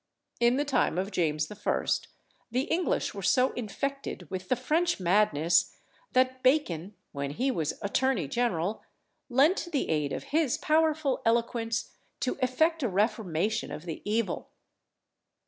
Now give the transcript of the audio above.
In the time of James I. the English were so infected with the French madness, that Bacon, when he was attorney general, lent the aid of his powerful eloquence to effect a reformation of the evil.